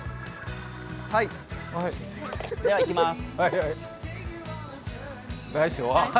はい、ではいきます。